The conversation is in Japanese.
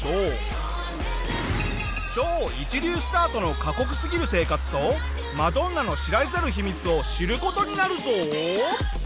超一流スターとの過酷すぎる生活とマドンナの知られざる秘密を知る事になるぞ！